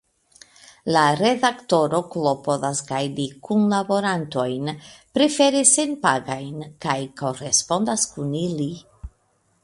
La Redaktoro klopodas gajni kunlaborantojn, prefere senpagajn, kaj korespondas kun ili.